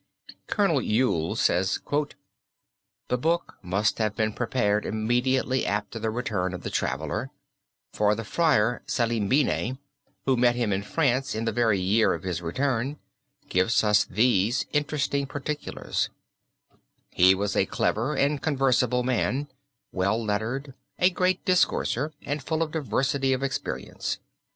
Col. Yule says "The book must have been prepared immediately after the return of the traveler, for the Friar Salimbene, who met him in France in the very year of his return (1247) gives us these interesting particulars: 'He was a clever and conversable man, well lettered, a great discourser, and full of diversity of experience.